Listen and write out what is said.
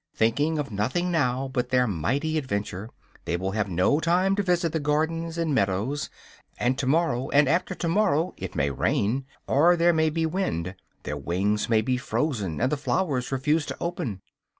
Thinking of nothing now but their mighty adventure, they will have no time to visit the gardens and meadows; and to morrow, and after to morrow, it may rain, or there may be wind; their wings may be frozen and the flowers refuse to open.